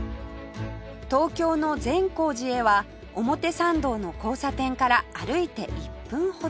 東京の善光寺へは表参道の交差点から歩いて１分ほど